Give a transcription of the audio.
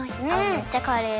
めっちゃカレー。